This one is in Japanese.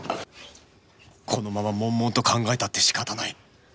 このまま悶々と考えたって仕方ない